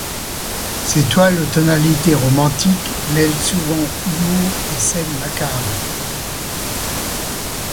Ses toiles, aux tonalités romantiques, mêlent souvent humour et scènes macabres.